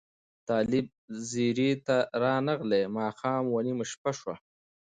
طالب ځیري ته رانغلې ماښام و نیمه شپه شوه